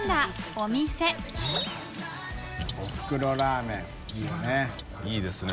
お店おふくろラーメン」いいよね。